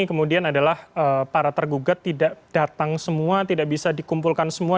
kemudian adalah para tergugat tidak datang semua tidak bisa dikumpulkan semua